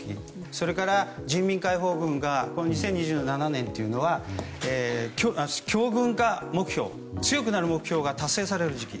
それから、人民解放軍２０２７年というのは強軍化目標、強くなる目標が達成される時期。